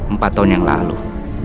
empat tahun yang lalu